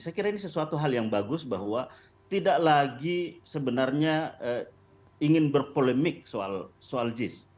saya kira ini sesuatu hal yang bagus bahwa tidak lagi sebenarnya ingin berpolemik soal jis